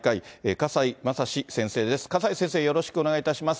笠井先生、よろしくお願いいたします。